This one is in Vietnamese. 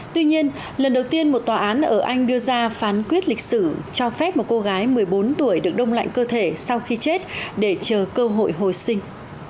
tuy nhiên lần đầu tiên một tòa án ở anh đưa ra phán quyết lịch sử cho phép một cô gái một mươi bốn tuổi được đông lạnh cơ thể sau khi chết để chờ cơ hội hồi sinh